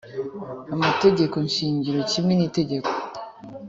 amategeko shingiro kimwe n’itegeko